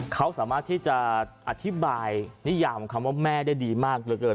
เขาสามารถที่จะอธิบายนิยามคำว่าแม่ได้ดีมากเหลือเกิน